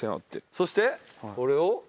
そしてこれを。